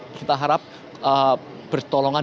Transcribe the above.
kita harap pertolongan